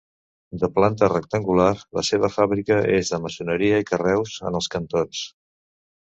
De planta rectangular, la seva fàbrica és de maçoneria i carreus en els cantons.